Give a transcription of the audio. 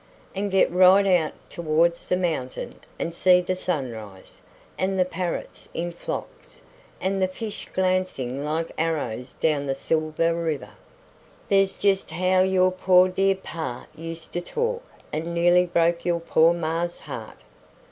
"And get right out towards the mountain and see the sunrise, and the parrots in flocks, and the fish glancing like arrows down the silver river " "There's just how your poor dear pa used to talk, and nearly broke your poor ma's heart."